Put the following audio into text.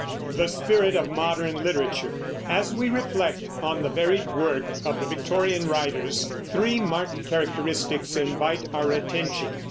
THE SPIRIT OF MODERN LITERATURE. As we reflect on the varied work of the Victorian writers, three marked characteristics invite our attention.